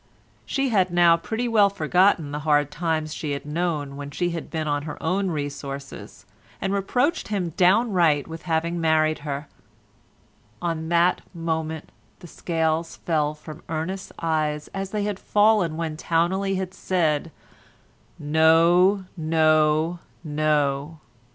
She had now pretty well forgotten the hard times she had known when she had been on her own resources and reproached him downright with having married her—on that moment the scales fell from Ernest's eyes as they had fallen when Towneley had said, "No, no, no."